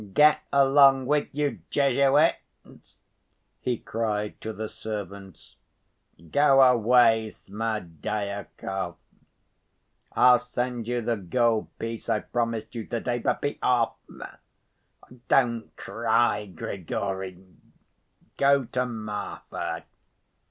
"Get along with you, Jesuits!" he cried to the servants. "Go away, Smerdyakov. I'll send you the gold piece I promised you to‐day, but be off! Don't cry, Grigory. Go to Marfa.